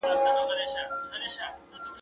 د ښادۍ به راته مخ سي د غمونو به مو شا سي.